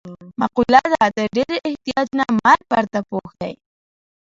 مقوله ده: تر ډېر احتیاج نه مرګ پرده پوښ دی.